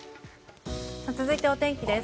続いて、お天気です。